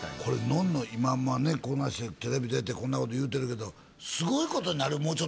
これのんの今こんなしてテレビ出てこんなこと言うてるけどすごいことになるよ！